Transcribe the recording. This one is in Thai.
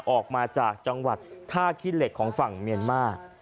ออกมาจากจังหวัดท่าขี้เหล็กของฝั่งเมียนมาร์